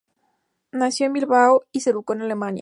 Nació en Bilbao y se educó en Alemania.